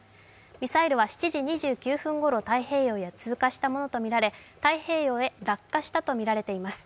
ミサイルは７時２９分ごろ、太平洋へ通過したものとみられ太平洋へ落下したとみられています。